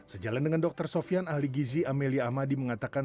sejalan dengan dokter sofian ahli gizi amelia ahmadi mengatakan